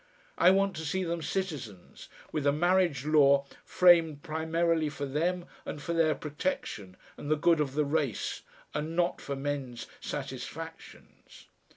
I want to see them citizens, with a marriage law framed primarily for them and for their protection and the good of the race, and not for men's satisfactions.